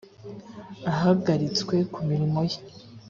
ahagaritswe ku mirimo ye